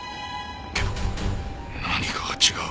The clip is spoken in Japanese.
けど何かが違う